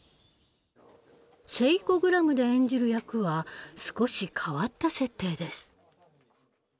「セイコグラム」で演じる役は少し変わった設定です。